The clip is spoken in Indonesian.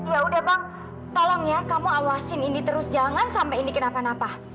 yaudah bang tolong ya kamu awasin indi terus jangan sampai indi kenapa napa